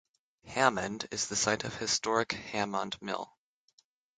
Hammond is the site of the historic Hammond Mill.